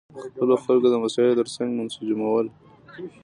د خپلو خلکو د مسایلو ترڅنګ منسجمول.